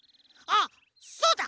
あっそうだ！